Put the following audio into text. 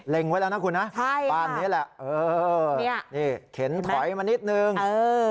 เล็งไว้แล้วนะคุณนะบ้านนี้แหละเออนี่เข็นถอยมานิดนึงเออ